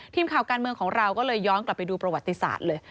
ทีมข่าวการเมืองของเราก็เลยย้อนกลับไปดูประวัติศาสตร์เลย